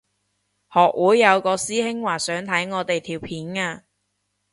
學會有個師兄話想睇我哋條片啊